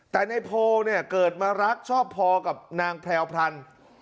แต่ในโพลเนี่ยเกิดมารักชอบพอกับนางแพรวพรรณ